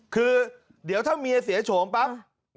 คือเดี๋ยวถ้าเมียเสียโฉมปั๊บ